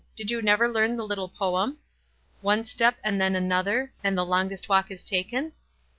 Did you never learn the little poem, —"' One step and then another, And the longest walk is taken